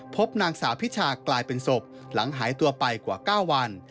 พบนางสาวพิชากลายเป็นศพหลังหายตัวไปกว่า๙วัน